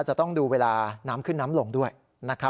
จะต้องดูเวลาน้ำขึ้นน้ำลงด้วยนะครับ